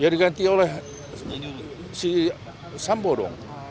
ya diganti oleh si sambo dong